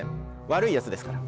悪いヤツですから。